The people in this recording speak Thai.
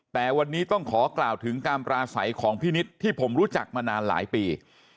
แต่วันนี้ต้องขอกล่าวถึงการปราศัยของพี่นิดที่ผมรู้จักมานานหลายปี